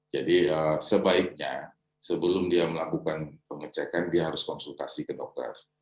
jadi sebaiknya sebelum dia melakukan pengecekan dia harus konsultasi ke dokter